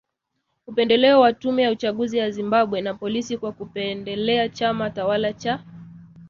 upendeleo wa tume ya uchaguzi ya Zimbabwe, na polisi kwa kukipendelea chama tawala cha